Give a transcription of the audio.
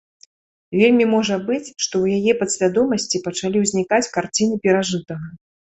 Вельмі можа быць, што ў яе падсвядомасці пачалі ўзнікаць карціны перажытага.